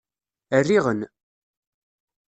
Rriɣ-n.